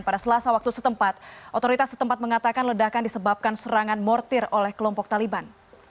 pada selasa waktu setempat otoritas setempat mengatakan ledakan disebabkan serangan mortir oleh kelompok taliban